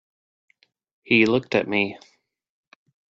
He looked at me.